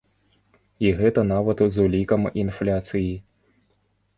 І гэта нават з улікам інфляцыі!